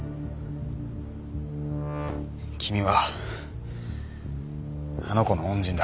君はあの子の恩人だ。